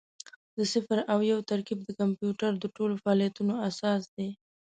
د صفر او یو ترکیب د کمپیوټر د ټولو فعالیتونو اساس دی.